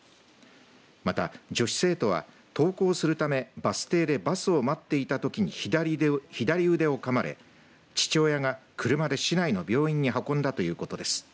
また、女子生徒は登校するためバス停でバスを待っていたときに左腕をかまれ父親が車で市内の病院に運んだということです。